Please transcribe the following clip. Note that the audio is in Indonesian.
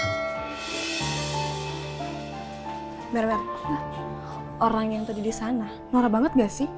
orang yang tadi di sana norak banget gak sih